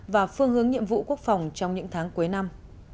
và phương hướng nhiệm vụ quốc phòng trong những tháng cuối năm